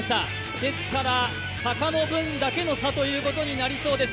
ですから、坂の分だけの差ということになりそうです。